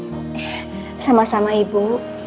eh sama sama ibu